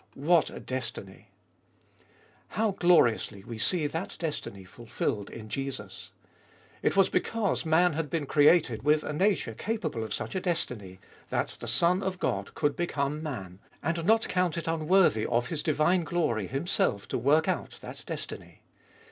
What a destiny ! How gloriously we see that destiny fulfilled in Jesus ! It IboUest of ail 73 was because man had been created with a nature capable of such a destiny, that the Son of God could become man, and not count it unworthy of His divine glory Himself to work out that destiny.